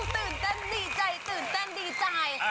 ตื่นเต้นดีใจตื่นเต้นดีใจ